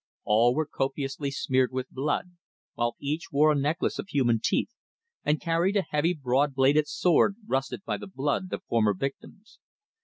All were copiously smeared with blood, while each wore a necklace of human teeth, and carried a heavy broad bladed sword rusted by the blood of former victims.